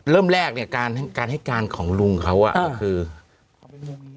เริ่มแรกเนี่ยการให้การของลุงเขาอ่ะก็คือ